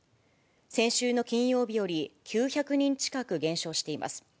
先週の金曜日より９００人近く減少しています。